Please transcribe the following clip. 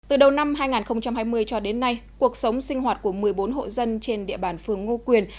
từ đầu năm hai nghìn hai mươi cho đến nay cuộc sống sinh hoạt của một mươi bốn hộ dân trên địa bàn phường ngô quyền